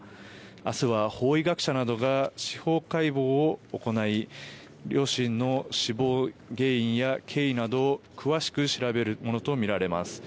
明日は法医学者などが司法解剖を行い両親の死亡原因や経緯などを詳しく調べるものとみられます。